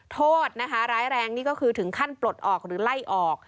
โทษนะคะร้ายแรงนี่ก็คือถึงขั้นปลดออกหรือไล่ออก